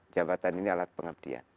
jabatan ini alat pengabdian